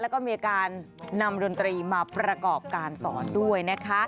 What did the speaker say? แล้วก็เนมรถดนตรีมาประกอบพิการสอนด้วย